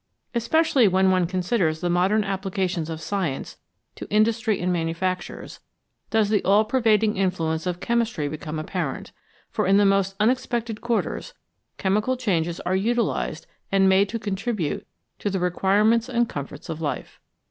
Especially when one considers the modern applications of science to industry and manufactures, does the all pervading influence of chemistry become apparent, for in the most unexpected quarters chemical changes are utilised and made to con tribute to the requirements and comforts of life.